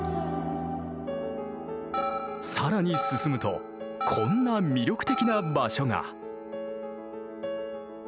更に進むとこんな魅力的な場所が。